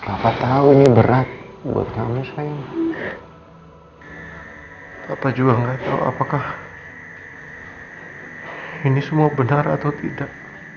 hai apa tahu ini berat buat kamu sayang apa juga nggak tahu apakah ini semua benar atau tidak